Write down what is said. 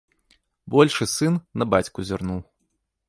Большы сын на бацьку зірнуў.